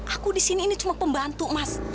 aku disini ini cuma pembantu mas